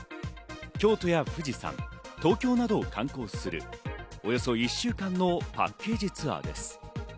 京都や富士山、東京などを観光するおよそ１週間のパッケージツアーです。